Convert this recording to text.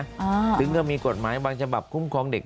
อ่าจึงก็มีกฎหมายบางฉภัพธ์คุ้มคลองเด็ก